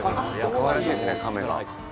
かわいらしいですね、カメが。